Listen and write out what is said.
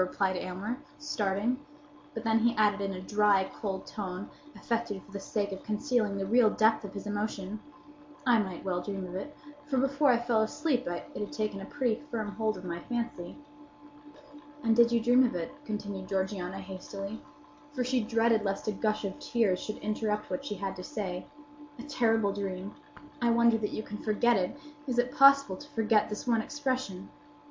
replied Aylmer, starting; but then he added, in a dry, cold tone, affected for the sake of concealing the real depth of his emotion, "I might well dream of it; for before I fell asleep it had taken a pretty firm hold of my fancy." "And you did dream of it?" continued Georgiana, hastily; for she dreaded lest a gush of tears should interrupt what she had to say. "A terrible dream! I wonder that you can forget it. Is it possible to forget this one expression?